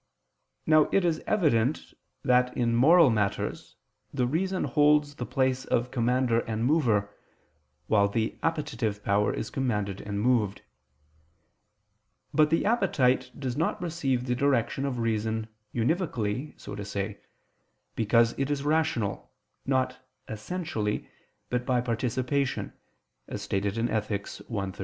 Now it is evident that in moral matters the reason holds the place of commander and mover, while the appetitive power is commanded and moved. But the appetite does not receive the direction of reason univocally so to say; because it is rational, not essentially, but by participation (Ethic. i, 13).